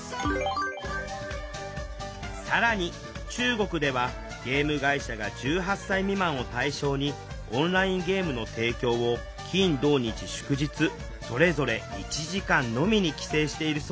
更に中国ではゲーム会社が１８歳未満を対象にオンラインゲームの提供を金土日祝日それぞれ１時間のみに規制しているそうよ